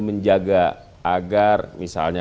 menjaga agar misalnya